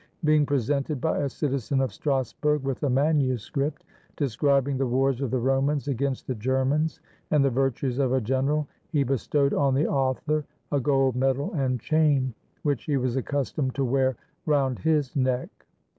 Being presented by a citizen of Strasburg with a manuscript, describing the wars of the Romans against the Germans, and the virtues of a general, he bestowed on the author a gold medal and chain, which he was accustomed to wear round his neck.